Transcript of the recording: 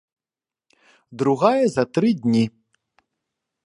Другая за тры дні.